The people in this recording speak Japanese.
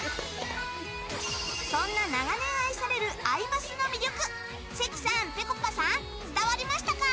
そんな長年愛される「アイマス」の魅力関さん、ぺこぱさん伝わりましたか？